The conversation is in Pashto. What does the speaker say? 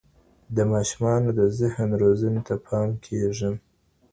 د ماشومانو د ذهن روزني ته پام کېږي.